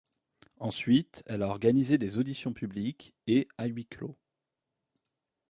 Ensuite elle a organisé des auditions publiques et à huis clos.